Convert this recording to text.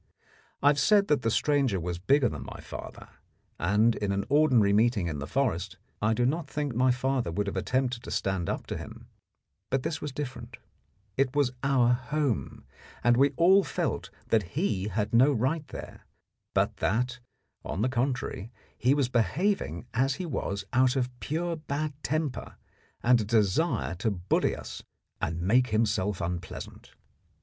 I have said that the stranger was bigger than my father, and in an ordinary meeting in the forest I do not think my father would have attempted to stand up to him; but this was different. It was our home, and we all felt that he had no right there, but that, on the contrary, he was behaving as he was out of pure bad temper and a desire to bully us and make himself unpleasant.